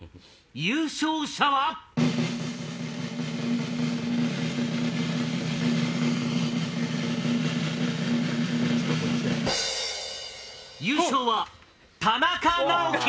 優勝者は⁉優勝は田中直樹！